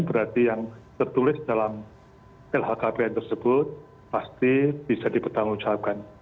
berarti yang tertulis dalam lhkpn tersebut pasti bisa dipertanggungjawabkan